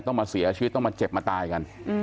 ต้องมาเสียชีวิตต้องมาเจ็บมาตายกัน